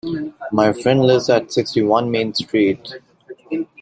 My friend lives at sixty-one Main Street